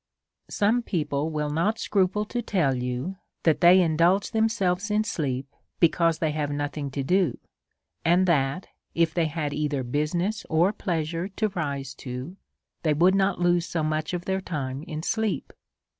Some people will not scruple to tell you that they indulge themselves in sleep, because they have nothing to do; and that if they had either business or pleasure to rise to^ they would not lose so much of their time in sleep.